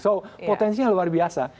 so potensinya luar biasa